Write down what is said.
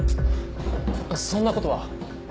そんなことは。